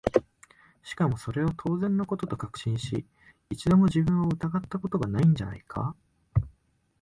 しかもそれを当然の事と確信し、一度も自分を疑った事が無いんじゃないか？